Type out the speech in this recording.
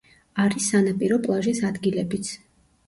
არის სანაპირო პლაჟის ადგილებიც.